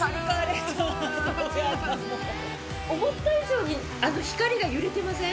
思った以上にあの光がゆれてません？